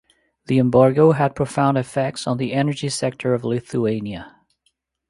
The embargo had profound effects on the energy sector of Lithuania.